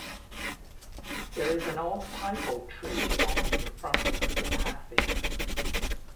There is an old pipal tree on the front of the Pathi.